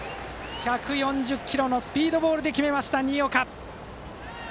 １４０キロのスピードボールで決めました、新岡。